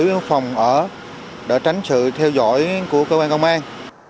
đối với phòng ở để tránh sự theo dõi của cơ quan công an